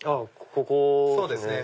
ここですね。